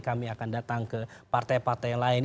kami akan datang ke partai partai lain